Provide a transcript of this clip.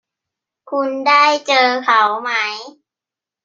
คุณได้เจอเขาไหม